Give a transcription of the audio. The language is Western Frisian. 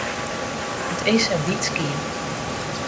It is in wyt skiep.